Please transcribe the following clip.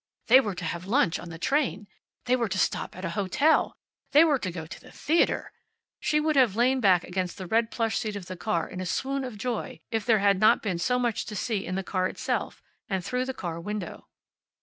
They were to have lunch on the train! They were to stop at an hotel! They were to go to the theater! She would have lain back against the red plush seat of the car, in a swoon of joy, if there had not been so much to see in the car itself, and through the car window.